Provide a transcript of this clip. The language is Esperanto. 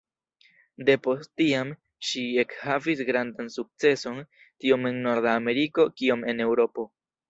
Depost tiam, ŝi ekhavis grandan sukceson, tiom en Norda Ameriko kiom en Eŭropo.